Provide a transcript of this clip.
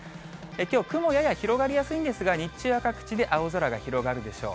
きょう、雲やや広がりやすいんですが、日中は各地で青空が広がるでしょう。